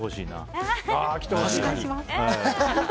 お願いします。